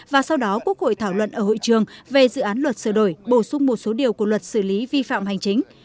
và sau đó quốc hội thảo luận ở hội trường về dự án luật sửa đổi bổ sung một số điều của luật xử lý vi phạm hành chính